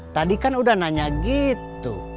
tadi kan udah nanya gitu